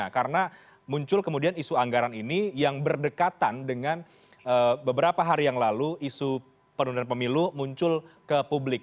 karena muncul kemudian isu anggaran ini yang berdekatan dengan beberapa hari yang lalu isu penundaan pemilu muncul ke publik